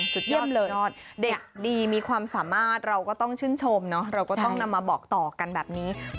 สุดเยี่ยมเลยเด็กดีมีความสามารถเราก็ต้องชื่นชมเนอะเราก็ต้องนำมาบอกต่อกันแบบนี้